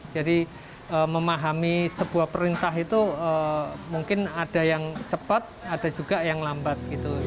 memahami sebuah perintah itu mungkin ada yang cepat ada juga yang lambat gitu